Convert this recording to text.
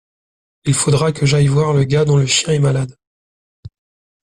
Il faudra que j’aille voir le gars dont le chien est malade.